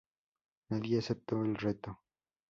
Nadie aceptó el reto.